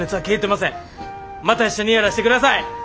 また一緒にやらしてください。